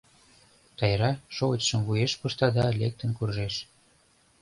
Тайра шовычшым вуеш пышта да лектын куржеш.